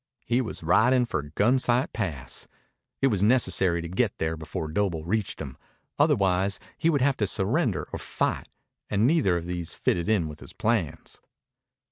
He was riding for Gunsight Pass. It was necessary to get there before Doble reached him. Otherwise he would have to surrender or fight, and neither of these fitted in with his plans.